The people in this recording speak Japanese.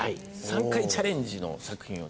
３回チャレンジの作品を。